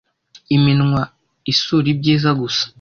iminwa isura ibyiza gusa